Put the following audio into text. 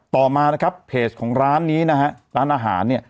ต่อมานะครับเพจของร้านนี้นะฮะร้านอาหารเนี่ย